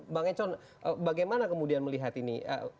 bang econ bagaimana kemudian melihat ini